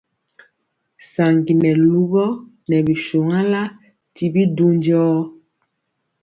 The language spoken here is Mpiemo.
Saŋgi nɛ lugɔ nɛ bi shuanla ti bi du njɔɔ.